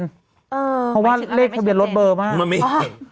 เพราะว่าเลขทะเบียนลดเบอร์มาก